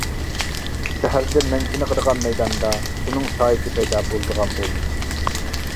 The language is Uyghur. سەھەردە مەن چېنىقىدىغان مەيداندا ئۇنىڭ سايىسى پەيدا بولىدىغان بولدى.